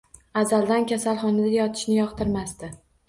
Azaldan kasalxonada yotishni yoqtirmasdi